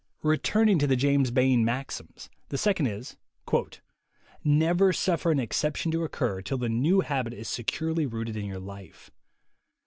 Returning to the James Bain maxims, the second is : "Never suffer an exception to occur till the new habit is securely rooted in your life.